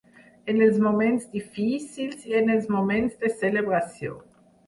En els moments difícils i en els moments de celebració.